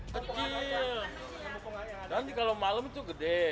nanti kalau malam itu gede